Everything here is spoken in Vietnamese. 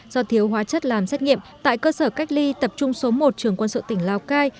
do thiếu hóa chất làm xét nghiệm tại cơ sở cách ly tập trung số một trường quân sự tỉnh lào cai